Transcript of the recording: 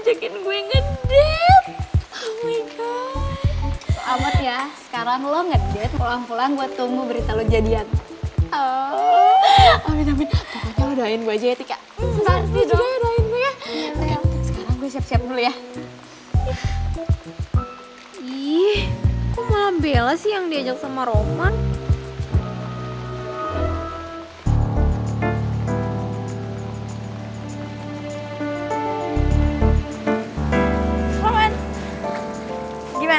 aku gatau hapus dimana